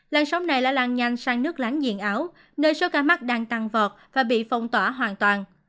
làn sóng này là làn nhanh sang nước láng giềng áo nơi số ca mắc đang tăng vọt và bị phong tỏa hoàn toàn